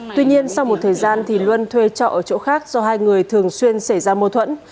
tuy nhiên sau một thời gian thì luân thuê trọ ở chỗ khác do hai người thường xuyên xảy ra mô thuẫn